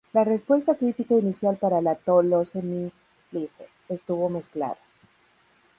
La respuesta crítica inicial para "To Lose My Life..." Estuvo mezclado.